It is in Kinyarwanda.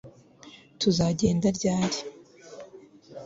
Tuzagenda ryari